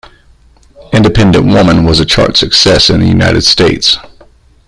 "Independent Women" was a chart success in the United States.